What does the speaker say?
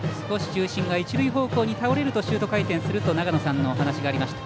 重心が一塁方向に倒れると、シュート回転すると長野さんのお話がありました。